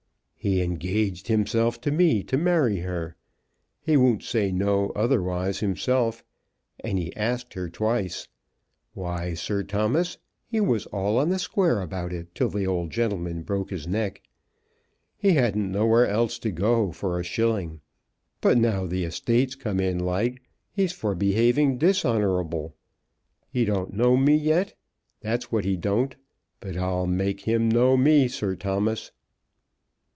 "He engaged hisself to me to marry her. He won't say no otherwise himself. And he asked her twice. Why, Sir Thomas, he was all on the square about it till the old gentleman broke his neck. He hadn't nowhere else to go to for a shilling. But now the estate's come in like, he's for behaving dishonourable. He don't know me yet; that's what he don't. But I'll make him know me, Sir Thomas."